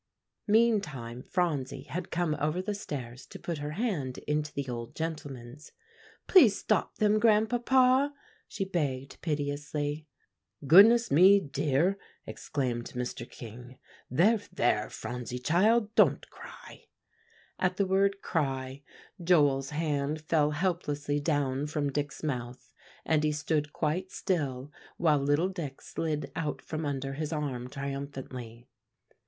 Meantime Phronsie had come over the stairs to put her hand into the old gentleman's. "Please stop them, Grandpapa," she begged piteously. "Goodness me, dear!" exclaimed Mr. King. "There, there, Phronsie child, don't cry." At the word "cry" Joel's hand fell helplessly down from Dick's mouth, and he stood quite still while little Dick slid out from under his arm triumphantly.